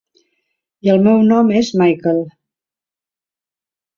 I el meu nom és Michael.